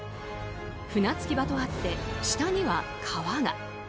船着き場とあって下には川が。